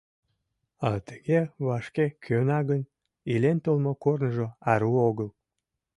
А тыге вашке кӧна гын, илен толмо корныжо ару огыл.